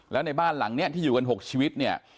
แล้วในบ้านหลังที่อยู่กันหกชีวิต